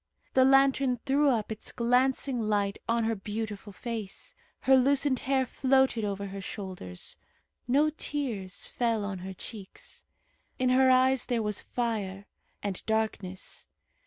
The lantern threw up its glancing light on her beautiful face. Her loosened hair floated over her shoulders. No tears fell on her cheeks. In her eyes there was fire, and darkness.